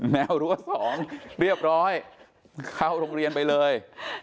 แววรั้ว๒เรียบร้อยเข้าโรงเรียนไปเลย